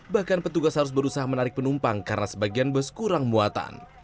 bahkan petugas harus berusaha menarik penumpang karena sebagian bus kurang muatan